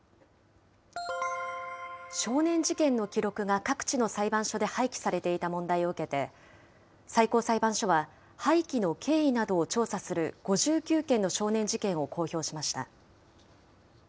少年事件の記録が各地の裁判所で廃棄されていた問題を受けて、最高裁判所は、廃棄の経緯などを調査する５９件の少年事件を公表しました。